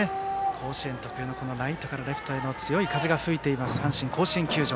甲子園特有のライトからレフトへの強い風が吹いている阪神甲子園球場。